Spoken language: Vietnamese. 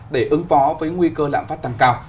để ứng phó với nguy cơ lạm phát tăng cao